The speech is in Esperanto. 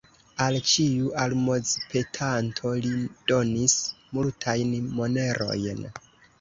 Al ĉiu almozpetanto li donis multajn monerojn.